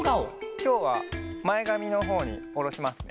きょうはまえがみのほうにおろしますね。